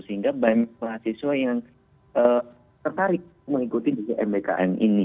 sehingga banyak mahasiswa yang tertarik mengikuti mbkm ini